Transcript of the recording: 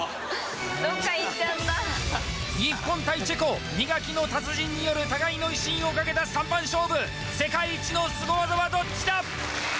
どっか行っちゃった日本対チェコ磨きの達人による互いの威信をかけた三番勝負世界一のスゴ技はどっちだ！？